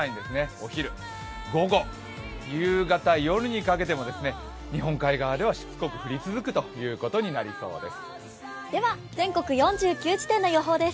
お昼、午後、夕方、夜にかけても日本海側ではしつこく降り続くことになりそうです。